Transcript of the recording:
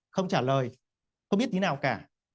không trả lời không biết tí nào cả